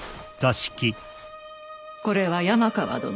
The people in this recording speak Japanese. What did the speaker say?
これは山川殿。